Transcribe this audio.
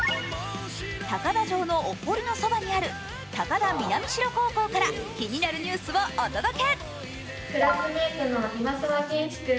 高田城のお堀のそばにある高田南城高校から気になるニュースをお届け。